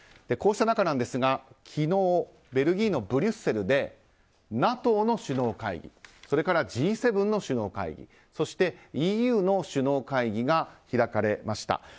こうした中、昨日ベルギーのブリュッセルでＮＡＴＯの首脳会議それからＧ７の首脳会議そして、ＥＵの首脳会議が開かれました。